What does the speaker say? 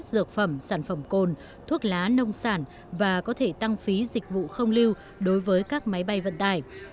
dược phẩm sản phẩm cồn thuốc lá nông sản và có thể tăng phí dịch vụ không lưu đối với các máy bay vận tải